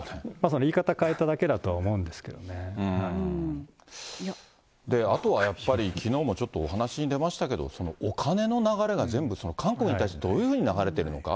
その言い方を変えただけだとは思うんであとはやっぱり、きのうもちょっとお話に出ましたけど、お金の流れが全部韓国に対してどういうふうに流れてるのか。